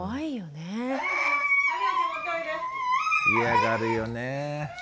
嫌がるよねえ。